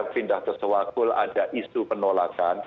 pindah ke sewakul ada isu penolakan